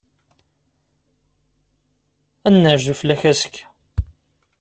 Ad n-nerzu fell-ak azekka.